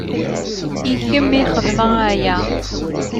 I kemm i xedmeɣ aya.